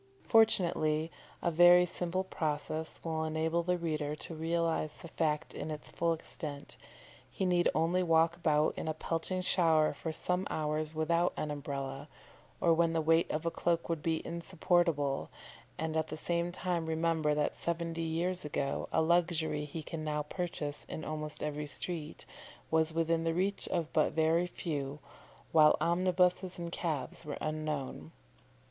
Fortunately a very simple process will enable the reader to realise the fact in its full extent; he need only walk about in a pelting shower for some hours without an Umbrella, or when the weight of a cloak would be insupportable, and at the same time remember that seventy years ago a luxury he can now purchase in almost every street, was within the reach of but very few, while omnibuses and cabs were unknown.